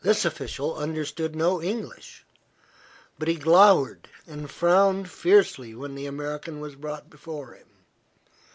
This official understood no English, but he glowered and frowned fiercely when the American was brought before him.